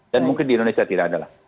dan mungkin di indonesia tidak adalah